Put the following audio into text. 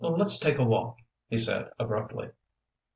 "Let's take a walk," he said abruptly.